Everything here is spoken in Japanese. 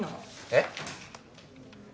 えっ？